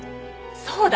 そうだ！